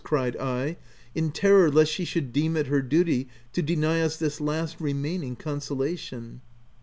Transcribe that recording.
cried I, in terror lest she should deem it her duty to deny us this last remaining consolation.